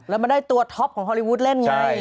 แล้วมันได้ตัวท็อปของฮอลลีวูดเล่นไง